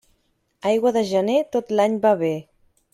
Aigua de gener, tot l'any va bé.